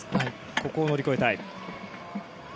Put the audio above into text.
ここを乗り越えたい。